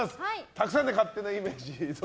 たくさんの勝手なイメージ。